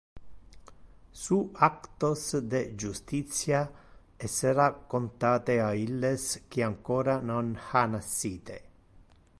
Su actos de justitia essera contate a illes qui ancora non ha nascite.